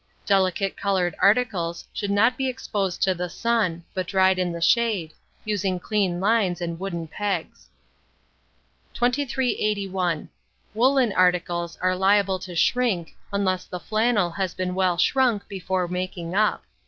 Delicate coloured articles should not be exposed to the sun, but dried in the shade, using clean lines and wooden pegs. 2381. Woollen articles are liable to shrink, unless the flannel has been well shrunk before making up.